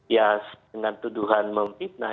ya dengan tuduhan memfitnah